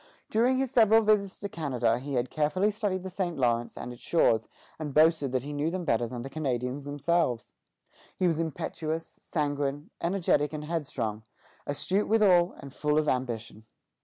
During his several visits to Canada he had carefully studied the St. Lawrence and its shores, and boasted that he knew them better than the Canadians themselves. He was impetuous, sanguine, energetic, and headstrong, astute withal, and full of ambition.